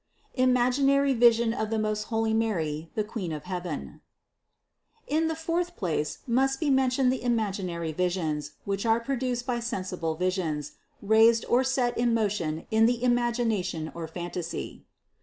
IMAGINARY VISION OF MOST HOLY MARY, THE QUEEN OF HEAVEN. 637. In the fourth place must be mentioned the imag inary visions, which are produced by sensible visions, raised or set in motion in the imagination or phantasy.